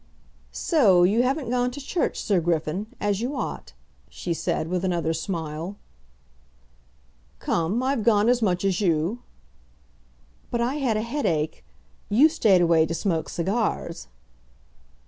"So you haven't gone to church, Sir Griffin, as you ought," she said, with another smile. "Come; I've gone as much as you." "But I had a headache. You stayed away to smoke cigars."